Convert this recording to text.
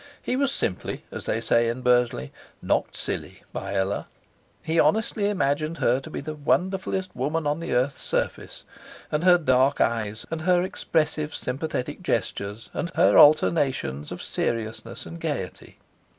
He was simply, as they say in Bursley, knocked silly by Ella. He honestly imagined her to be the wonderfullest woman on the earth's surface, with her dark eyes and her expressive sympathetic gestures, and her alterations of seriousness and gaiety.